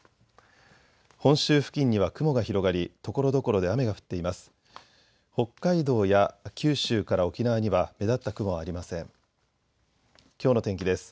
本州付近には雲が広がりところどころで雨が降っています。